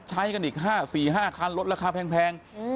ใช้กันอีก๔๕คันลดราคาแพง